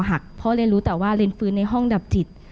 คอหักเพราะเรนรู้แต่ว่าเรนฟื้นในห้องดับจิต